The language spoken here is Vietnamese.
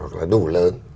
hoặc là đủ lớn